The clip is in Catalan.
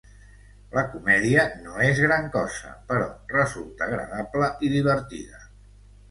La comèdia no és gran cosa, però resulta agradable i divertida.